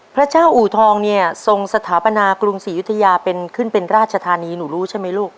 พระเจ้าอูทองเนี่ยทรงสถาปนากรุงศรียุธยาเป็นขึ้นเป็นราชธานีหนูรู้ใช่ไหมลูก